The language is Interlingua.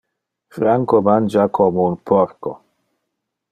Franco mangia como un porco.